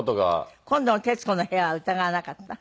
今度の『徹子の部屋』は疑わなかった？